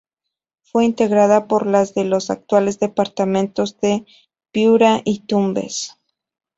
Fue integrada por las de los actuales departamentos de Piura y Tumbes.